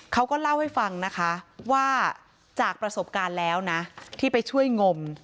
เขาก็เล่าให้ฟังนะคะว่าจากประสบการณ์แล้วนะที่ไปช่วยงม